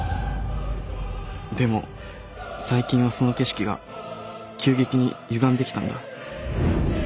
でも最近はその景色が急激にゆがんできたんだ